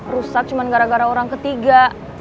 rusak cuma gara gara orang ketiga